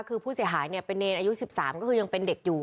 คือผู้เสียหายเนี่ยเป็นเนรอายุ๑๓ก็คือยังเป็นเด็กอยู่